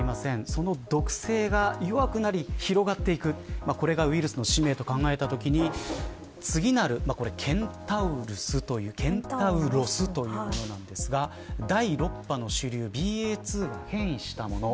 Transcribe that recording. その毒性が弱くなり広がっていくこれがウイルスの使命と考えたときに次なるケンタウロスというものなんですが第６波の主流ＢＡ．２が変異したもの。